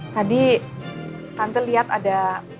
tadi tante liat ada